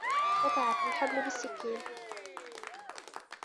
قُطِعَتْ الْحَبْلُ بِالسَّكَّيْنِ.